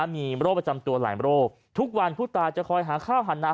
มีโรคประจำตัวหลายโรคทุกวันผู้ตายจะคอยหาข้าวหันนา